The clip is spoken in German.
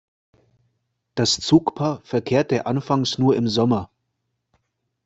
Das Zugpaar verkehrte anfangs nur im Sommer.